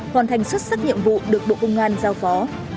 hoàn thành xuất sắc nhiệm vụ được bộ công an giao phó